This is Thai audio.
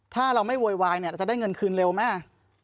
ถ้าเราไม่โวยวายเราจะได้เงินคืนเร็วแม่